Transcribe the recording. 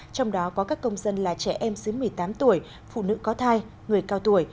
trong đó có các công dân là trẻ em dưới một mươi tám tuổi phụ nữ có thai người cao tuổi